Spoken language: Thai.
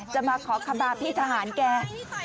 จะมาขอขบาพี่ทหารแก